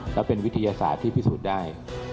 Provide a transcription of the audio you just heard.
แล้วเป็นวิทยาศาสตร์ที่พิสูจน์ได้